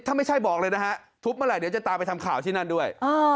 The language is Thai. ถ้าไม่ใช่บอกเลยนะฮะทุบเมื่อไหร่เดี๋ยวจะตามไปทำข่าวที่นั่นด้วย